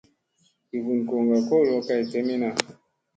Gi vun goŋga kolo kay kemina.